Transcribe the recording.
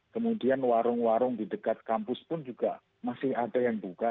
kemudian warung warung di dekat kampus pun juga masih ada yang buka